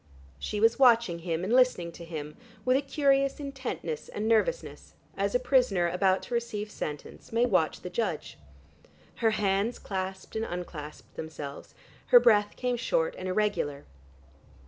She was watching him and listening to him, with a curious intentness and nervousness, as a prisoner about to receive sentence may watch the judge. Her hands clasped and unclasped themselves, her breath came short and irregular.